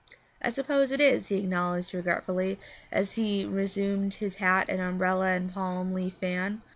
'I suppose it is,' he acknowledged regretfully, as he resumed his hat and umbrella and palm leaf fan.